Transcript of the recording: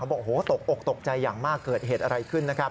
บอกโอ้โหตกอกตกใจอย่างมากเกิดเหตุอะไรขึ้นนะครับ